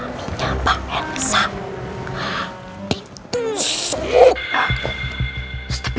tidak ada apa apa